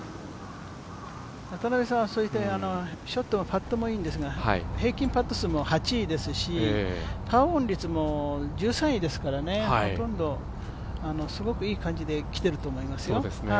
渡邉さんはショットもパットもいいんですが平均パット数も８位ですしパーオン率も１３位ですから、すごくいい感じできていると思いますよ。